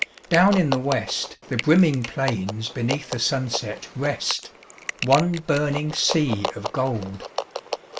Down in the west The brimming plains beneath the sunset rest, One burning sea of gold.